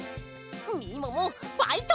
みももファイト！